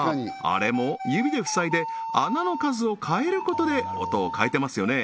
あれも指でふさいで穴の数を変えることで音を変えてますよね